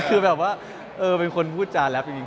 คือแบบว่าเป็นคนพูดจานแร็พอีกเรื่อง